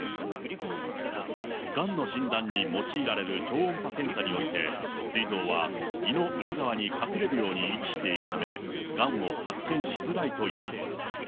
がんの診断に用いられる超音波検査において、すい臓は、胃の裏側に隠れるように位置しているため、がんを発見しづらいという。